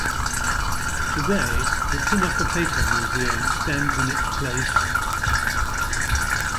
Today the Pinacoteca Museum stands in its place.